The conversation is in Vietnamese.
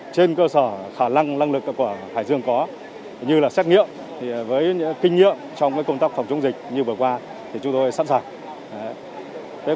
trên cơ sở khả năng năng lực của hải dương có như là xét nghiệm với những kinh nghiệm trong công tác phòng chống dịch như vừa qua thì chúng tôi sẵn sàng